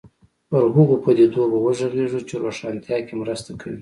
پر هغو پدیدو به وغږېږو چې روښانتیا کې مرسته کوي.